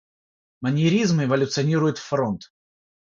Маньеризм эволюционирует в фронт.